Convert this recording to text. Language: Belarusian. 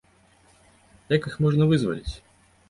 Як іх можна вызваліць?